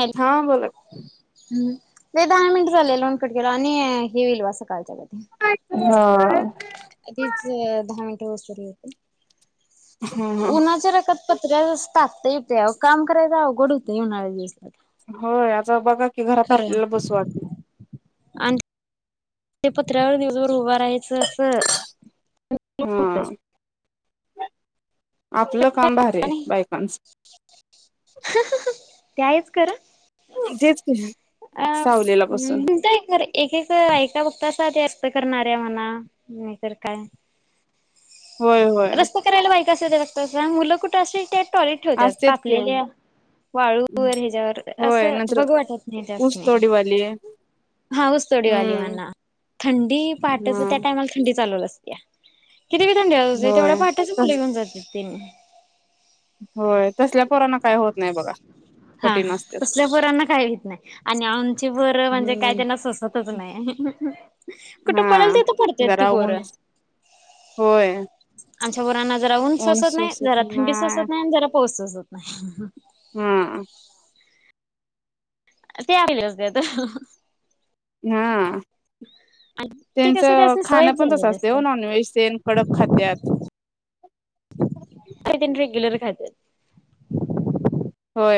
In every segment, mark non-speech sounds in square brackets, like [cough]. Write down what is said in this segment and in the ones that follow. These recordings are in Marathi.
हॅलो हां बोला हम्म. ते दहा मिनट झाले लौण कट केला, आणि हे येईल वा संकाळच्या हा तीच अ दहा मिनिटं उसरली. [inaudible] हम्-हम्. पत्रंस् टाकतं येते आव काम करायचं अवघड होतंय उन्हाळ्या दिव [inaudible] होय, आता बघा कि घरात आपल्याल बसू वाट आण्. ते पत्र्याव दिसबर उबा आहे चस हा [unintelligible] आपलं काम भारी हाय बायकांचं. ते हाएच करं तेच की आ सावलीला बसून नतंय खरं एक एक ऐका बगतत त तेक्त करणार ए म्हणा, नही तर काय. होय होय रस्तं करायला बाईका अस्तेत वत्तं मुलं कुटं असील तेत टॉयलेट ठेवत्यात असतेच की तापलेल्या वाळूवर हेज्यावर होय असं नंतर बघू वाटत नाही त्यास्नी. ऊसतोडीवाली हां ऊसतोडी वाली हम्म मना, थंडी पाहाटचं हा त्या टायमाला थंडी चालवलं अस् या किती बी थंडी अउदेत तेवढ्या होय पहाटचं मुले तस घेऊन जात्यात. तीन होय तसल्या पोरांना काय होत नाही बघा हां, कठीण असत्यात तसल्या पोरांना काय हुईत नाही. आणि आमची पोरं म्हणजे काय हम्म त्यांना सोसतच नाही. कुठं पडेल हा तिथं पडत्यात ती जरा ऊन पोरं. होय आमच्या वरांना जरा ऊन सोसत नाही, जरा थंडी सोसत नाही, आणि जरा पाऊस् ससत नाही. हम्म ते आगलेस् देतं हा ते कसं त्यांचं त्यासनी खाणं सवयच पण तसं झालेली असते हो असत्या. नॉन व्हेज स कडक खात्यात ते तेनी रेग्युलर खात्यात हो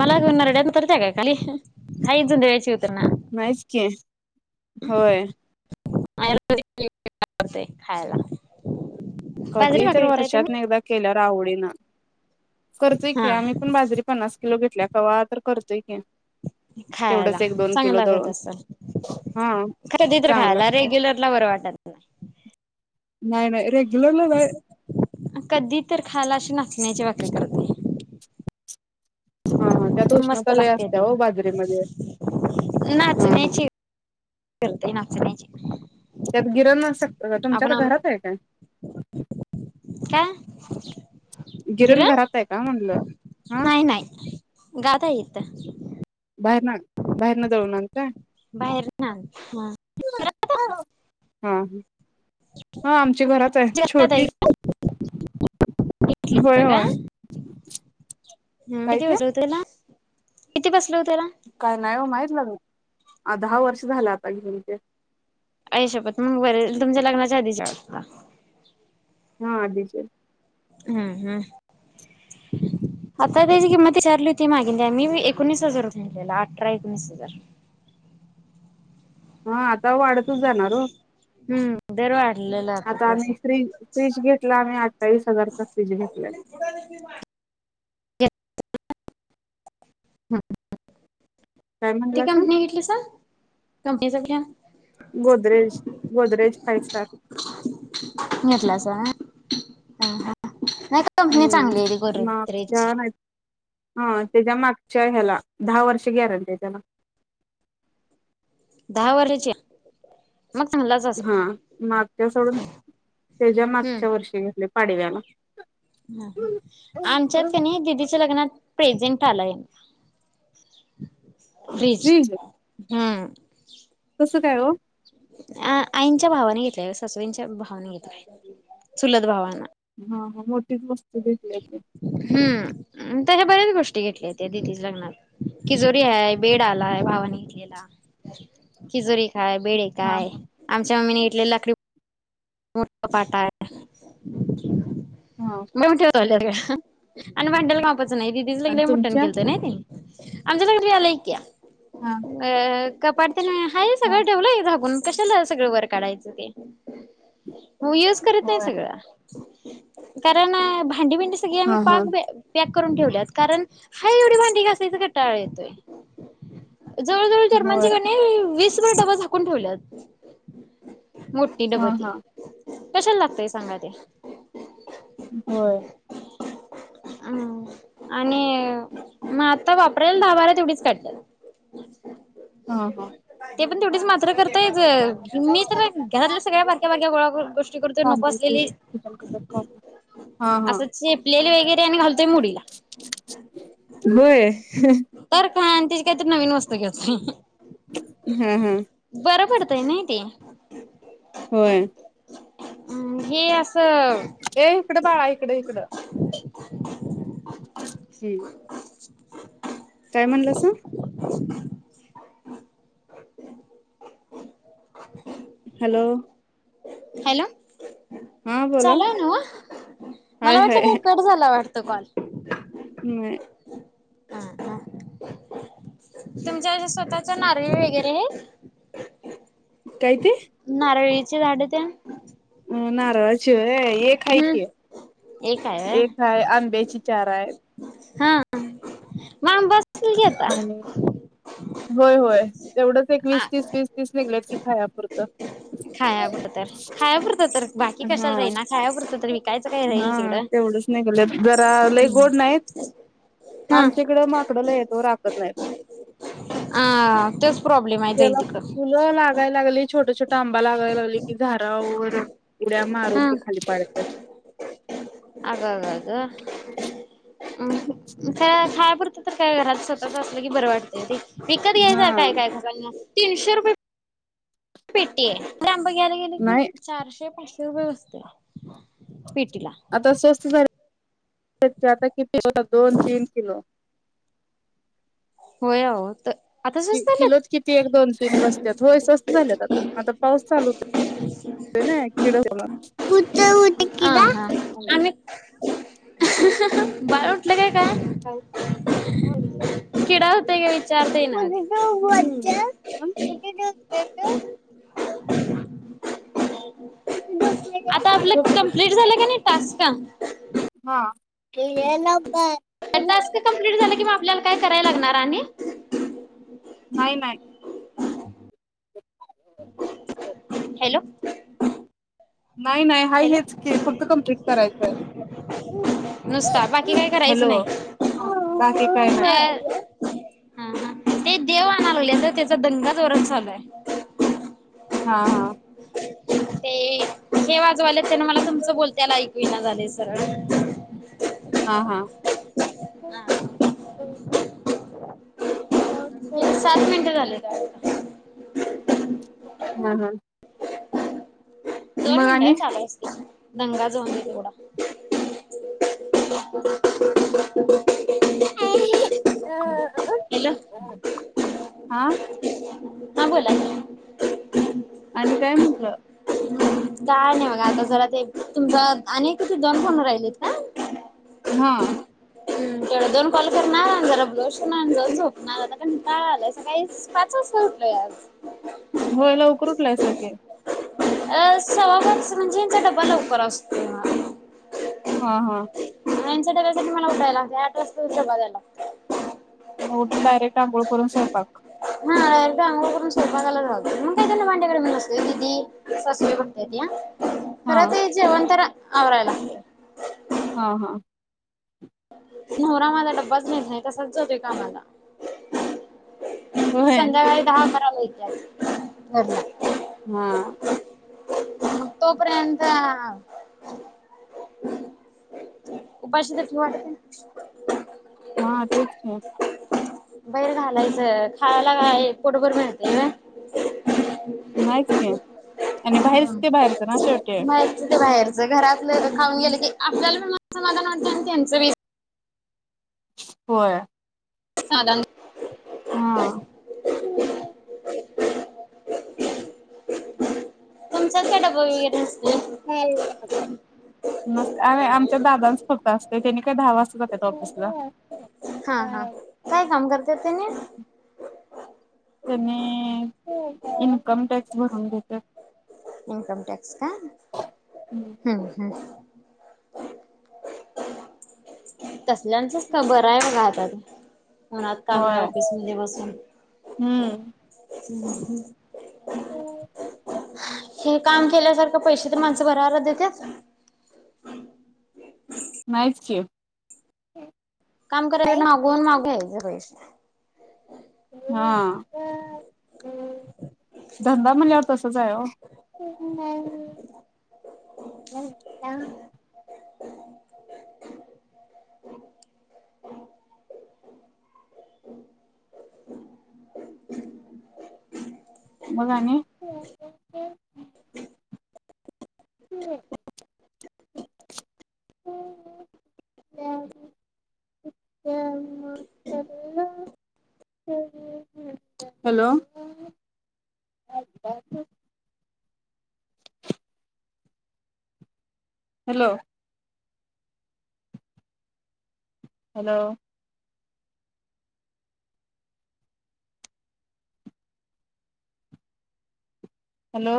मलाणारड्या तर त्या का खाली हाजून दची माचक होय आयुर्वेदिकते खायला बाजरी कधी तर भाकरी करताय वर्षात तुम्ही? एकदा केलं आवडेल ना करर्चय हा की आम्ही पण बाजरी पन्नास किलो घेतल्या कावा तर [unintelligible] खायला तेवढंच एक दोन चांग किलो लागत दळून अस हा खर ते तर चांगलं खायला लागतंय. रेग्युलरला बरं वाटत नाही. नाही नाही रे. कधी तर खायला अ नचण्याचे वाती. [unintelligible] हा हा त्यात उष्णता लय लागते असत्ये ती हो पण बाजरीेमध्ये हा हा. [unintelligible] नाचणीची त्यात गिरण [unintelligible] अ तुमच्या घरात आहे काय? काय गिरण घरात आहे का? म्हटलं हा नाही नाही. [unintelligible] बाहेर ना बाहेरन दळून आणता? [unintelligible] हा हा आमची घरात आहे का छोटी. होय होय काय ते? इथे बसल - काय नाही हो माहित. दहा वर्ष झालं आता घेऊन ते- आई शप्पथ मग बरये तुमच्या लग्नाच्या आधीच्याला- हा आधीचेे- हम्म हम् आता त्याची किंमत विचाारली होती मागे त्याला मी एकोणीस हजार रुपेला अठरा एकोणीस हजार- हा हां. ता वाढतच जाणार हो हम्म दर वाढलेला आता त्याचा. आम्ही फ्रीज फ्रीज घेतला आम्ही अठ्ठावीस हजाराचा फ्रीज घेतलाय हम. काय लि म्हणलासा कंपनी घेतली सांग - [unintelligible] गोदरेज गोदरेज फाय स्टार. ह हा. नाही त कंपनी चांगलीये ती हम्म गोदरेजची मागच्या नाही हा त्याच्या मागच्या ह्याला दहा वर्ष गॅरंटीये त्याला दहा वर्षाची? मग चांगलाच असेल हम्म मागच्या सोडून- त्याच्या हम्म मागच्या वर्षी घेतले पाडव्याला आमच्यात कनी दिदी च्या लग्नात प्रेेंजेंट आलाये फ्रिज फ्रीज - हा कसं काय हो? आ आईंच्या भावाने घेतलाय सासुबाईंच्या भावाने घेतलाय चुलत भावान- हा हा मोठीच गो हम्म. तश्या बऱ्याच गोष्टी घेतल्या दिदीच्या लग्नात ति जोरी आहे बेड आलाय भावाने घेतलेला तिजोरी- काय बई हा काय हा आमच्या- [unintelligible] मोठ पाटा आहे हा निमठ्योदल [unintelligible] अन भांडल मागत्यात च नाही दिदीच लग्न आणि लयमोठ्ठ तुमच्या केलेत नाही ताई अंजलीत आल ई क्या हा अ. कपाट. ह [unintelligible] हायना हा सगळं ठेवलंयं झाकून. कशाला सगळं वर काढायचं ते हो एस करीत नाही होय सगळं. कारण अ भा थंडी भिंडी सगळी् हा आम्ही हा पाक बे बेक करून ठेवल्यात कारण हाय एवढी भांडी घासायचा कटाळा येतोय. जवळ जवळ जर्मन होय जी का नई वीस तुम्हाला डबा झाकून ठेवल्यात. मोठी हा डबती. हा कशाल लागतय सांगा ते होय. [unintelligible] आणि मग आता वापरल दहा बारा तेवढीच काढतात. ह ह. पण तेवढीच मात्र कर. ते ज मी तर घरातल्या [unintelligible] सगळ्या कर आपण [unintelligible] गोष्टी गोळा करतो नको तांदूळ असलेली किचन कटर तांदूळ असं चेपलेली वेगैरे पॅट घाल [unintelligible] बय ह. ते आणतील काहीतरी नवीन वस ते काय ह हम्म हा हा बरं पडत. ते नही ते होय [unintelligible] अम्म हे अस. ए इकडं बाळा इकडं इकडं. [unintelligible] हम्म. काय [unintelligible] म्हणलंस [unintelligible] हॅलो. हॅलो. हा बोला चालू हाय नव्ह? हाय मला वाटलं का कट झाला वाट - - त कॉल. नाय. तुमच्या स्वतःच्या नारळी वगैरे हाईत? काय ते? चि झाडं तेन - - अम नारळाची होय एक हाय हम्म की, एक हाय एक व्हय हाय. आंब्याची चार आहेत. हाआ म आंब आ - - आणि होय होय तेवढंच एक वीस आ तीस वीस तीस निघले की खायापुरतं. खाया पुरत खाया पुुरत तर बाकी कशाला हा राहीना खायापुरतं तर विकायचं काय राहीना हा तीकड तेवढंच निघालेत जरा लय गोड नाहीत ह आमच्याकडं माकडं लय आहेत ओ राखत नाहीत अ... तेला फुलं लागाय लागली छोट छोटा आंबा लाग - - [unintelligible] लागली की घारावर हम आगगग. अहु हं खायय पुरतं तर काय घरात स्वतःच असलं की बर वाट [inaudible] विकत हा घ्यायसारख आहे का काही सांग ना. तीनशे रुपये. पेटीय खरं आं बा घ्यायला गेला की नाही चारशे पाचशे ते व्यवस्थ पीट - - आता स्वस्त झाल्या त्याचे आता किती होतात. दोन -तीन किलो होय अहो त आता कि स्वस्त झाल्यात? किलोच किती एक दोन तीन बसत्यात होय स्वस्त झालेत आता आता पाऊस चालूत ना किड होणार आ हा आम्ही बाळ उटलं का काय? हाय हा उठलाय. किडा होतोय काय विचारता येईना आधी. [inaudible] [inaudible] [inaudible] आता आपलं कम्प्लीट झालं कनी टास्क गेलेल पाय टास्क कम्प्लिट झाले कि मग आपल्याला काय कराय लागणार आणि नाही नाही. [inaudible] हॅलो. नाही नाही, हाय हॅलो हेच की फक्त कंप्लीट करायचाय. नुसता बाकी काय करायचं हॅलो, नाही. बाकी काय अ नाही. हा हा ते देव आणा लागल्यात ओ तेजा दंगा जोरात चालु आहे. हा हा. ते हे वाजवाल्यात त्यान मला तुमच बोलत्याला ऐकु ईना झालय सरळ. हा हा [inaudible] किती सात [unintelligible] हा हा. दोन मिनट हा आणि चालू असुदे. दंगा जाऊन दे तेवढा. हॅलो [unintelligible] हा? हा बोला की आणि काय म्हटलं? काय नाही बघा. आता जरा ते तुमचा आणि एक किती दोन फोन राहिलेत ना? हा. हम् तेवढा दोन कॉल करणार जरा ब्लाऊज शिवणार आणि जाऊन झोपणार. आता कंटाळा आलाय सकाळी स पाच वाजता उठलोय आज. होय? लवकरच उटलायस [inaudible] अ सव्वा पाच म्हणजे ह्यांचा डबा लवकर असतोय हा. हा हा. ह्यांच्या डब्यासाठी मला उठाय लागतय. आठ वाजताच डबा द्यायला लागतय. मग? उठून डायरेक्ट आंघोळ करून स्वयंपाक हा. आंघोळ करून स्वयंपाकालाच घालतोय. मग काय धून भांड्याला मी काय नसतोय. दिदी सासू बाई बागत्यात्या. हा खर ते जेवण जरा आवरायला हा हा. नवरा माझा डब्बाच नेत नाही. तसाच जातोय कामाला. होय संध्याकाळी दहा [unintelligible] [unintelligible] हा मग तोपर्यंत उपाशि वाटतय हा तेच की बैर घालायचं खायला काय पोटबर मिळतय न नाहीच की, आणि बाहेरच ते बाहेरच ना शेवटी ज घरात एकदा खाऊन गेलं की आपल्याला पण समाधान वाटतंय अन त्यानं [inaudible] होय. [inaudible] हा [inaudible] [unintelligible] चल त्या डब य नुसतंय मस्त अरे आमच्या दादांच फक्त असतेय त्यानी काय दहा वाजता जातात ऑफिसला हा हा काय काम करत्यात त्यांनी त्यांनी इन्कम टॅक्स भरून देत्यात. इनकम टॅक् क्स का हुं हुं [unintelligible] [inaudible] तसल्यांचंच का बर आहे बघा आता ते उन्हात काम नाय ऑफिसमध्ये बसून हुं [inaudible] [unintelligible] हे काम केल्यासारखं पैसे तर माणसं भराभरा देत्यात. नाहीच की काम करणाऱ्या कडून मागुन माग घ्यायचं पैसे हां धंदा म्हणल्याव तसच आहे ओ [inaudible] मग आणि हॅलो हॅलो हॅलो हॅलो